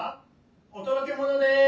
お届け物です。